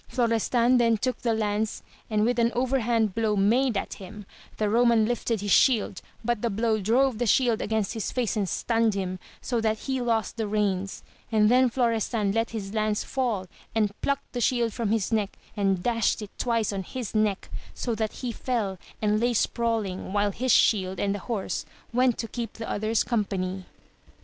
Florestan then took the lance and with an overhand blow made at him ; the Eoman lifted his shield, but the blow drove the shield against his face and stunned him, so that he lost the reins, and then Florestan let his lance fall, and plucked the shield from his neck and dashed it twice on his neck, so that he fell, and lay sprawHng, while his shield and horse went to keep the others company.